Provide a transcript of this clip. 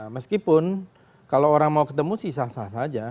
meskipun kalau orang mau ketemu sih sah sah saja